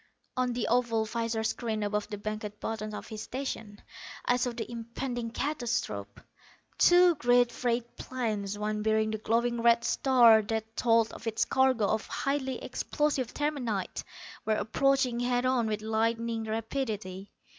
On the oval visor screen above the banked buttons of his station I saw the impending catastrophe. Two great freight planes, one bearing the glowing red star that told of its cargo of highly explosive terminite, were approaching head on with lightning rapidity.